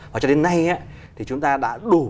và cho đến nay thì chúng ta đã đủ